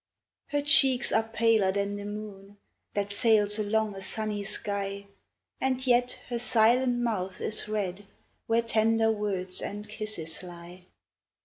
Her cheeks are paler than the moon That sails along a sunny sky, And yet her silent mouth is red Where tender words and kisses lie.